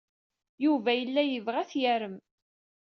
Yuba yella yebɣa ad t-yarem.